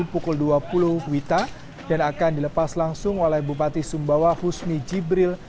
pukul dua puluh wita dan akan dilepas langsung oleh bupati sumbawa husni jibril